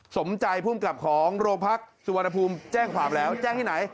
สมใจภูมิกับของโรงพักสุวรรณภูมิแจ้งความแล้วแจ้งที่ไหน